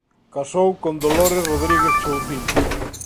Casou con Dolores Rodríguez Chouciño.